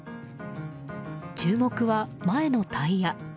注目は、前のタイヤ。